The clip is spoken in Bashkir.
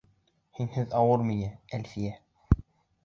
Һинһеҙ ауыр миңә, Әлфиә...